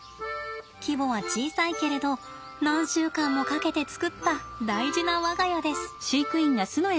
規模は小さいけれど何週間もかけて作った大事な我が家です。